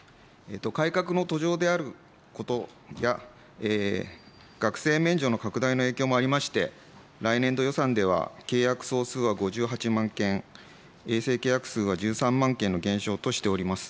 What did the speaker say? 改革の途上であることや、学生免除の拡大の影響もありまして、来年度予算では、契約総数は５８万件、衛星契約数は１３万件の減少としております。